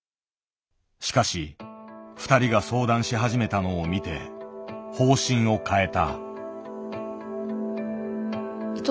しかし２人が相談し始めたのを見て方針を変えた。